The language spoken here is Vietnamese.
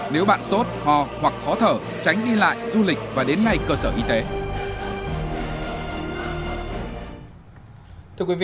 nếu bạn sốt ho hoặc khó thở tránh đi lại du lịch và đến ngay cơ sở y tế